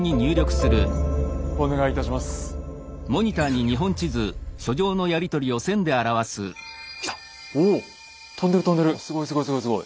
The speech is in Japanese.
すごいすごいすごいすごい。